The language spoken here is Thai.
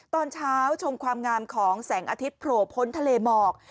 ตอนเช้าชมความงามของแสงอาทิตย์โผล่พ้นทะเลหมอก